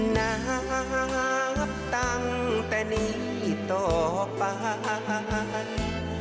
นับตั้งแต่นี้ต่อไป